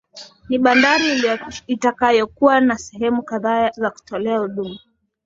Ni bandari itakayokuwa na sehemu kadhaa za kutolea huduma